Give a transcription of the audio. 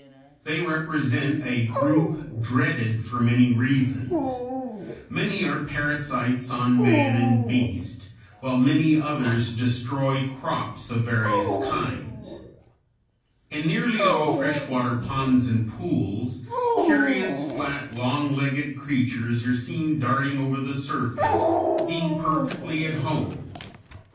They represent a group dreaded for many reasons; many are parasites on man and beast, while many others destroy crops of various kinds. [Illustration: FIG. 209. Squash bug.] In nearly all fresh water ponds and pools curious flat, long legged creatures (Fig. 212) are seen darting over the surface, being perfectly at home.